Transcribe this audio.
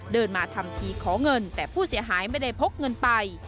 เดินมาทำทีขอเงินแต่ผู้เสียหายไม่ได้พกเงินไป